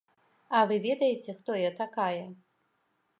А вы ведаеце, хто я такая?